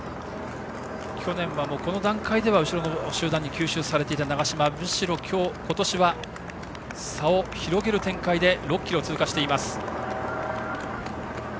去年はこの段階で後ろの集団に吸収されていた長嶋ですがむしろ今年は差を広げる展開で６ｋｍを通過しています。